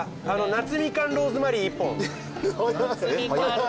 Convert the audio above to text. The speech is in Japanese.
夏みかんローズマリー？